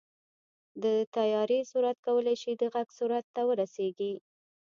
د طیارې سرعت کولی شي د غږ سرعت ته ورسېږي.